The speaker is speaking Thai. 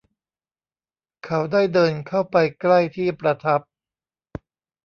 เขาได้เดินเข้าไปใกล้ที่ประทับ